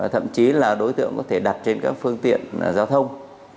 thậm chí là đối tượng có thể đặt trên các phương tiện giao thông